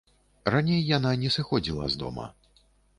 Раней яна не сыходзіла з дома.